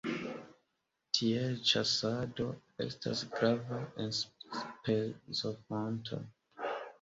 Tiele ĉasado estas grava enspezofonto.